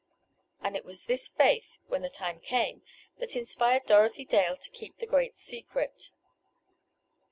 And it was this faith, when the time came, that inspired Dorothy Dale to keep the Great Secret.